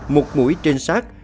một mũi trinh sát